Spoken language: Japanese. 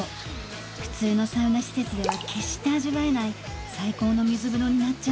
普通のサウナ施設では決して味わえない。